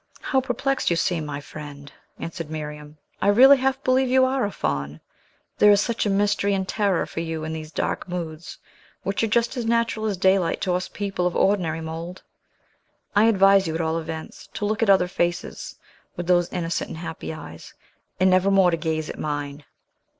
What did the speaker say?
"How perplexed you seem, my friend!" answered Miriam. "I really half believe you are a Faun, there is such a mystery and terror for you in these dark moods, which are just as natural as daylight to us people of ordinary mould. I advise you, at all events, to look at other faces with those innocent and happy eyes, and never more to gaze at mine!"